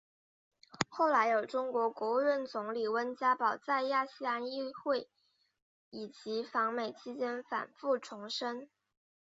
后来有中国国务院总理温家宝在亚细安会议以及访美期间反复重申。